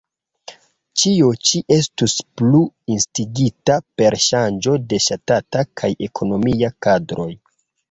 Ĉio ĉi estus plu instigita per ŝanĝo de ŝtata kaj ekonomia kadroj.